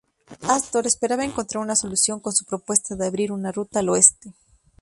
Astor esperaba encontrar una solución con su propuesta de abrir una ruta al oeste.